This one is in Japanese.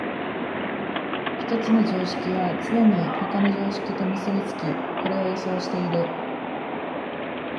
一つの常識はつねに他の常識と結び付き、これを予想している。